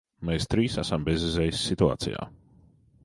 Mēs trīs esam bezizejas situācijā.